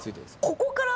ここから。